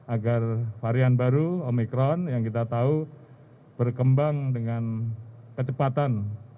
agar varian baru omikron yang kita tahu berkembang dengan kecepatan